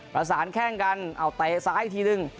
ประสานแข้งกันเอาเตะซ้ายอีกทีหนึ่ง